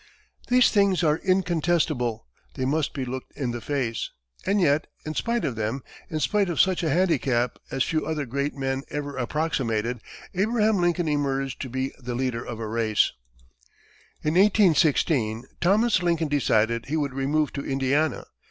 These things are incontestable, they must be looked in the face. And yet, in spite of them, in spite of such a handicap as few other great men even approximated, Abraham Lincoln emerged to be the leader of a race. In 1816, Thomas Lincoln decided he would remove to Indiana.